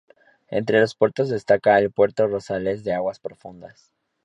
Entre los puertos destaca el Puerto Rosales, de aguas profundas.